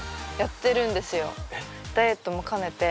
ダイエットも兼ねて。